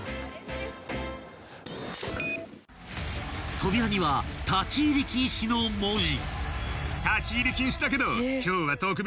［扉には立入禁止の文字］